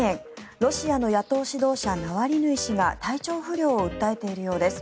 ロシアの野党指導者ナワリヌイ氏が体調不良を訴えているようです。